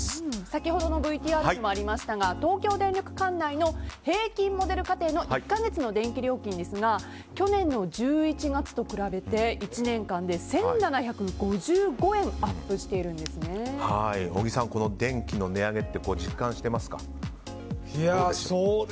先ほどのＶＴＲにもありましたが東京電力管内の平均モデル家庭１か月の電気料金ですが去年１１月と比べて１年で１７５５円小木さん、電気の値上げって実感してますか？